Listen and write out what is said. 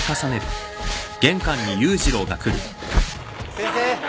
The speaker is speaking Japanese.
先生。